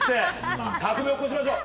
革命を起こしましょう！